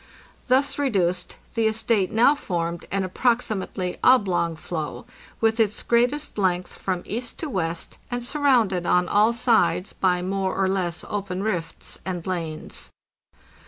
Thus reduced, the " estate'? now formed an approximately oblong floe, with its greatest length from east to west, and sur rounded on all sides by more or less open rifts and lanes.